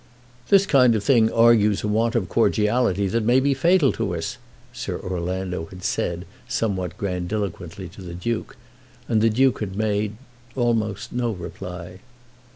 "This kind of thing argues a want of cordiality that may be fatal to us," Sir Orlando had said somewhat grandiloquently to the Duke, and the Duke had made almost no reply.